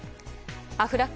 アフラック